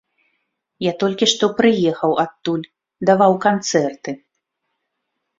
Я толькі што прыехаў адтуль, даваў канцэрты.